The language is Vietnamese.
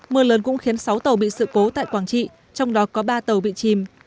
mưa lớn cũng khiến sáu tàu bị sự cố tại quảng trị trong đó có ba tàu bị chìm